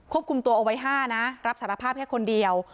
คุมตัวเอาไว้๕นะรับสารภาพแค่คนเดียว